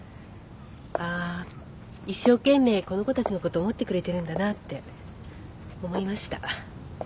ああ一生懸命この子たちのこと思ってくれてるんだなって思いました。